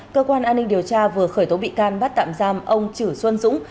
cơ quan an ninh điều tra vừa khởi tố bị can bắt tạm giam ông chử xuân dũng